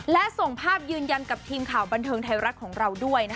และส่งภาพยืนยันกับทีมข่าวบันเทิงไทยรัฐของเราด้วย